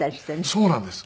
そうなんです。